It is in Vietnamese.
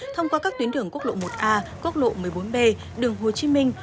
thông qua các tuyến đường quốc lộ một a quốc lộ một mươi bốn b đường hồ chí minh